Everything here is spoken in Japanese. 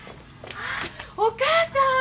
あっお母さん。